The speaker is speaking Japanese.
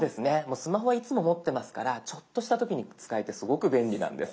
スマホはいつも持ってますからちょっとした時に使えてすごく便利なんです。